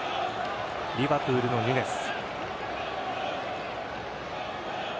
リヴァプールのヌニェス。